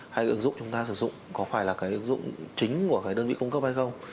hay ứng dụng chúng ta sử dụng có phải là cái ứng dụng chính của cái đơn vị cung cấp hay không